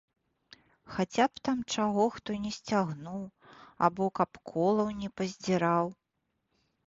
Хаця б там чаго хто не сцягнуў або каб колаў не паздзіраў.